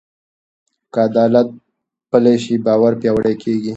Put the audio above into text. که عدالت پلی شي، باور پیاوړی کېږي.